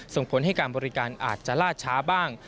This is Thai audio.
ส่งผลให้การบริการอาจจะล่าช้าบ้าง